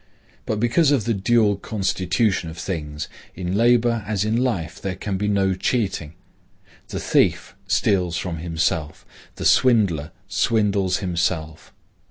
But because of the dual constitution of things, in labor as in life there can be no cheating. The thief steals from himself. The swindler swindles himself.